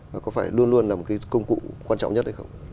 và có phải luôn luôn là một cái công cụ quan trọng nhất hay không